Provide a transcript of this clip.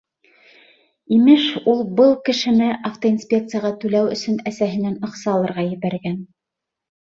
Имеш, ул был кешене автоинспекцияға түләү өсөн әсәһенән аҡса алырға ебәргән.